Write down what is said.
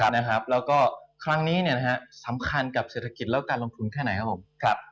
แล้วก็ครั้งนี้สำคัญกับเศรษฐกิจและการลงทุนแค่ไหนครับผม